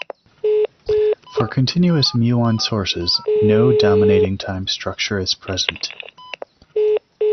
For "continuous" muon sources no dominating time structure is present.